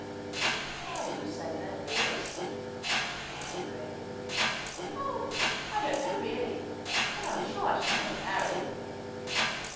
' Why do you say that, dearest ?' she asked gravely. ' Oh, I don't know, really. But I'm sure I shall never marry.'